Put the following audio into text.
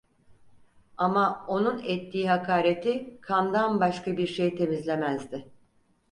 Ama onun ettiği hakareti kandan başka bir şey temizlemezdi.